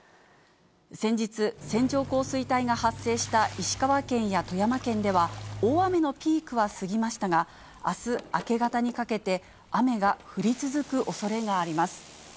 先日、線状降水帯が発生した石川県や富山県では、大雨のピークは過ぎましたが、あす明け方にかけて、雨が降り続くおそれがあります。